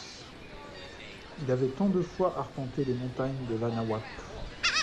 Il avait tant de fois arpenté les montagnes de l’Anahuac!